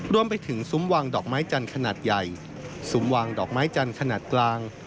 รวมไปถึงซุ้มวางดอกไม้จันทร์ขนาดใหญ่ซุ้มวางดอกไม้จันทร์ขนาดกลาง